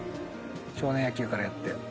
少年野球からやって。